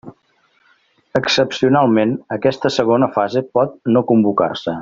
Excepcionalment, aquesta segona fase pot no convocar-se.